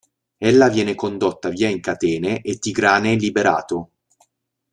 Ella viene condotta via in catene e Tigrane è liberato.